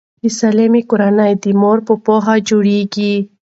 د سالمې کورنۍ د مور په پوهه جوړیږي.